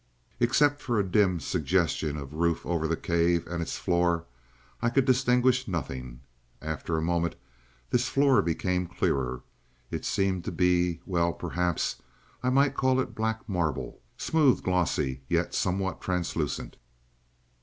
"Except for a dim suggestion of roof over the cave, and its floor, I could distinguish nothing. After a moment this floor became clearer. It seemed to be well, perhaps I might call it black marble smooth, glossy, yet somewhat translucent.